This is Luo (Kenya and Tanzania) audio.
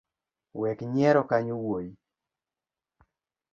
Wek nyiero kanyo wuoi.